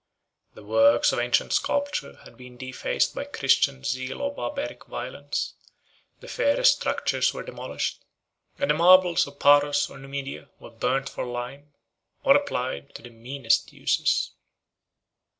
The works of ancient sculpture had been defaced by Christian zeal or Barbaric violence; the fairest structures were demolished; and the marbles of Paros or Numidia were burnt for lime, or applied to the meanest uses.